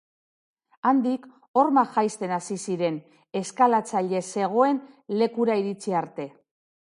Handik, horma jaisten hasi ziren, eskalatzaile zegoen lekura iritsi arte.